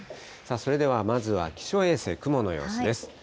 それではまずは気象衛星、雲の様子です。